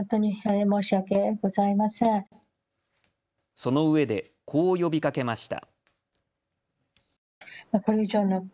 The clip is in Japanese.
そのうえで、こう呼びかけました。